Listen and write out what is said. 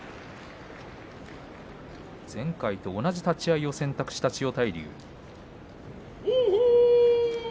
前回と同じ立ち合いを選択した千代大龍。